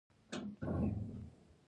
کلي د افغانستان یو ډول طبعي ثروت دی.